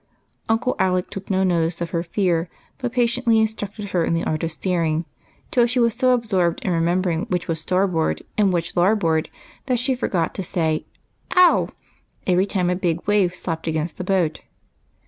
Uncle Alec took no notice of her fear, but patiently instructed her in the art of steering, till she was so absorbed in remembering which was starboard and which larboard, that she forgot to say " Ow !" every time a big wave slapped against the boat.